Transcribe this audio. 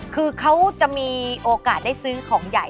คือเขาจะมีโอกาสได้ซื้อของใหญ่